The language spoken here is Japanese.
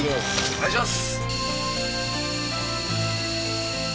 ・お願いします。